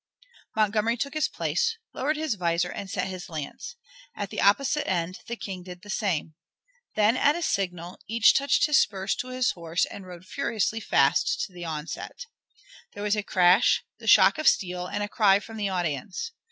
Montgomery took his place, lowered his visor, and set his lance. At the opposite end the King did the same. Then at a signal each touched his spurs to his horse, and rode furiously fast to the onset. There was a crash, the shock of steel, and a cry from the audience.